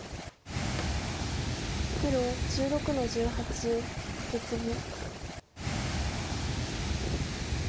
黒１６の十八カケツギ。